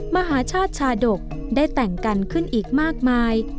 มหาชาติชาดกได้แต่งกันขึ้นอีกมากมาย